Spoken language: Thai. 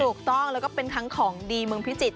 ถูกต้องแล้วก็เป็นทั้งของดีเมืองพิจิตร